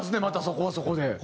またそこはそこで。